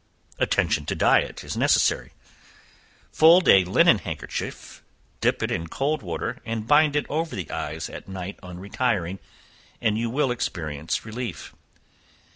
Attention to diet is necessary. Fold a linen handkerchief, dip it in cold water, and bind it over the eyes at night on retiring, and you will experience relief.